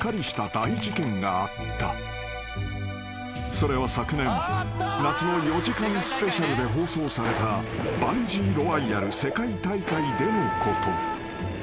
［それは昨年夏の４時間スペシャルで放送されたバンジー・ロワイアル世界大会でのこと］